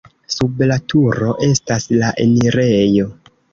Sub la turo estas la enirejo.